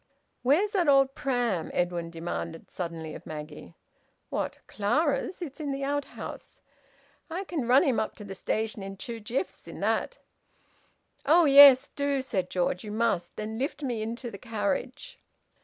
"Where's that old pram?" Edwin demanded suddenly of Maggie. "What? Clara's? It's in the outhouse." "I can run him up to the station in two jiffs in that." "Oh yes! Do!" said George. "You must. And then lift me into the carriage!"